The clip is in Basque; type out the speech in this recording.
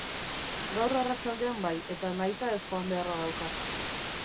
Gaur arratsaldean bai, eta nahitaez joan beharra daukat.